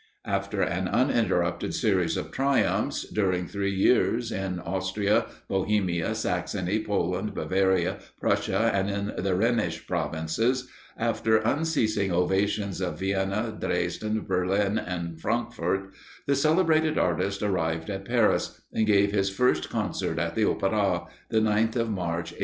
After an uninterrupted series of triumphs, during three years, in Austria, Bohemia, Saxony, Poland, Bavaria, Prussia, and in the Rhenish provinces, after unceasing ovations of Vienna, Dresden, Berlin, and Frankfort, the celebrated artist arrived at Paris, and gave his first concert at the Opera, the 9th of March, 1831.